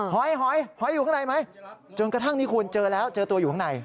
หอยหอยอยู่ข้างในไหมจนกระทั่งนี้คุณเจอแล้วเจอตัวอยู่ข้างใน